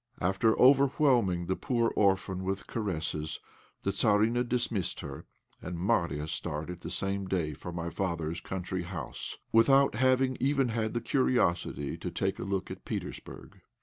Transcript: After overwhelming the poor orphan with caresses, the Tzarina dismissed her, and Marya started the same day for my father's country house, without having even had the curiosity to take a look at Petersburg.